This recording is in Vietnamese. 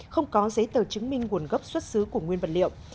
không có giấy tờ chứng minh nguồn gốc xuất xứ của nguyên vật liệu